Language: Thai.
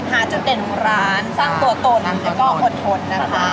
หาจุดเด่นของร้านสร้างตัวตนแล้วก็อดทนนะคะ